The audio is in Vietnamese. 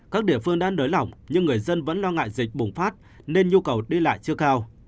các địa phương đang nới lỏng nhưng người dân vẫn lo ngại dịch bùng phát nên nhu cầu đi lại chưa cao